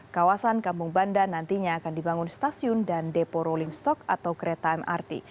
kawasan kampung banda nantinya akan dibangun stasiun dan depo rolling stock atau kereta mrt